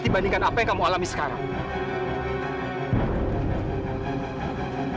dibandingkan apa yang kamu alami sekarang